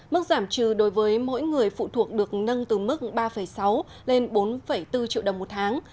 mức giảm trừ đối với mỗi người phụ thuộc được nâng từ mức ba sáu lên bốn bốn triệu đồng một tháng